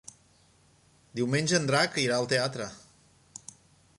Diumenge en Drac irà al teatre.